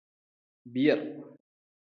beer